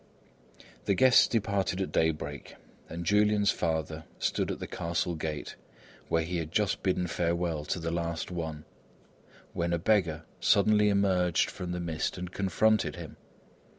The guests departed at daybreak, and Julian's father stood at the castle gate, where he had just bidden farewell to the last one, when a beggar suddenly emerged from the mist and confronted him.